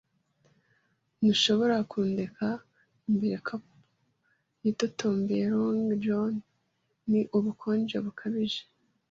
“Ntushobora kundeka imbere, cap'n?” yitotombeye Long John. “Ni ubukonje bukabije